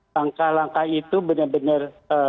langkah langkah itu benar benar